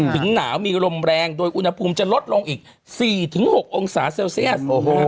หนาวมีลมแรงโดยอุณหภูมิจะลดลงอีก๔๖องศาเซลเซียส